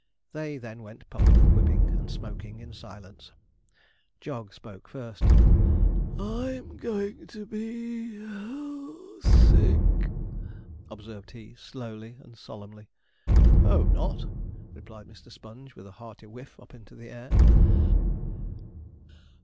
They then went puffing, and whipping, and smoking in silence. Jog spoke first. 'I'm going to be (puff) sick,' observed he, slowly and solemnly. 'Hope not,' replied Mr. Sponge, with a hearty whiff, up into the air.